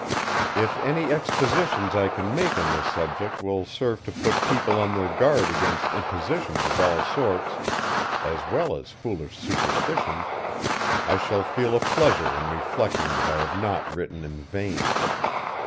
If any expositions I can make on this subject will serve to put people on their guard against impositions of all sorts, as well as foolish superstitions, I shall feel a pleasure in reflecting that I have not written in vain.